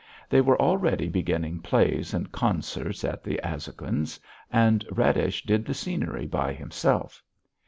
They were already beginning plays and concerts at the Azhoguins', and Radish did the scenery by himself.